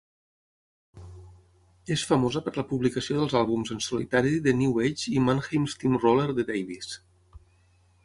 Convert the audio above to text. És famosa per la publicació dels àlbums en solitari de New Age i Mannheim Steamroller de Davis.